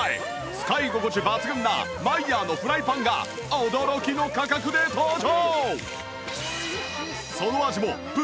使い心地抜群なマイヤーのフライパンが驚きの価格で登場！